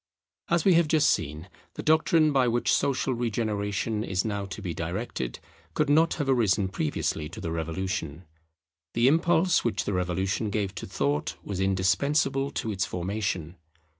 As we have just seen, the doctrine by which social regeneration is now to be directed could not have arisen previously to the Revolution. The impulse which the Revolution gave to thought was indispensable to its formation.